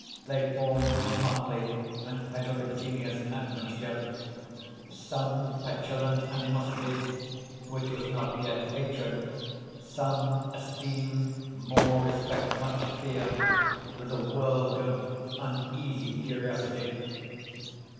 They formed a motley and heterogeneous admixture;—some petulant animosity, which was not yet hatred, some esteem, more respect, much fear, with a world of uneasy curiosity.